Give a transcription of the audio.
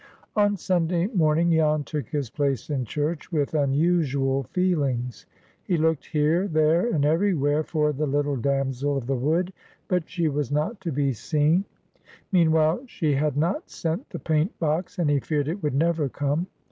ON Sunday morning Jan took his place in church with unusual feelings. He looked here, there, and everywhere for the little damsel of the wood, but she was not to be seen. Meanwhile she had not sent the paint box, and he feared it would never come.